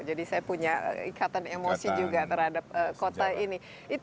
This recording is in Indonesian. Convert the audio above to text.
jadi saya punya ikatan emosi juga terhadap kota ini